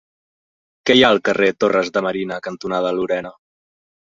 Què hi ha al carrer Torres de Marina cantonada Lorena?